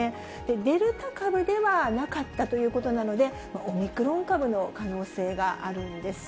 デルタ株ではなかったということなので、オミクロン株の可能性があるんです。